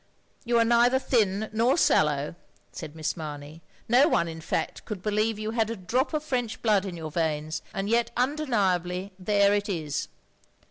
"You are neither thin nor sallow,'* said Miss Mamey. " No one in fact, could believe you had i8 THE LONELY LADY a drop of French blood in yotir veins, and yet tmdeniably, there it is."